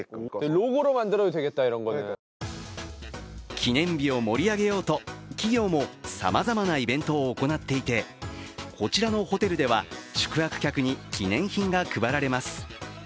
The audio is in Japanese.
記念日を盛り上げようと、企業もさまざまなイベントを行っていてこちらのホテルでは宿泊客に記念品が配られます。